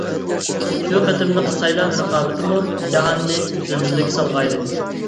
شۇ قېتىملىق سايلام رىقابىتىمۇ جاھاننى زىلزىلىگە سالغان ئىدى.